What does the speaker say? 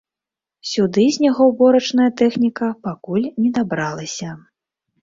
Сюды снегаўборачная тэхніка пакуль не дабралася.